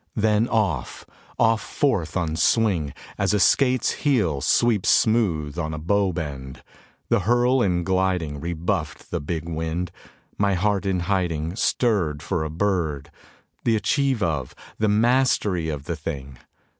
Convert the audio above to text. then off, off forth on swing, As a skate's heel sweeps smooth on a bow bend: the hurl and gliding Rebuffed the big wind. My heart in hiding Stirred for a bird, the achieve of, the mastery of the thing!